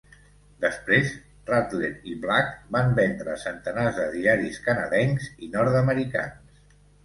Després, Radler i Black van vendre centenars de diaris canadencs i nord-americans.